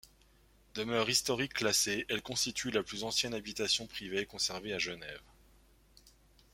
Demeure historique classée, elle constitue la plus ancienne habitation privée conservée à Genève.